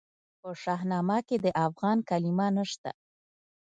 په شاهنامه کې د افغان کلمه نسته.